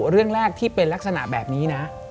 เรื่องแรกที่เป็นลักษณะแบบนี้นะ